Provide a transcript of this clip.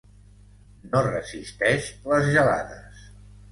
No resisteix les gelades.